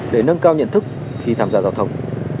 để nâng cao nhận thức khi tham gia giao thông